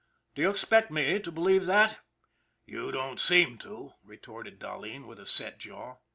" Do you expect me to believe that ?"" You don't seem to," retorted Dahleen, with a set jaw.